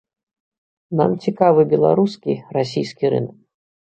Нам цікавы беларускі, расійскі рынак.